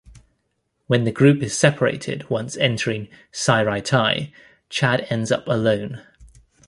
When the group is separated once entering "Seireitei", Chad ends up alone.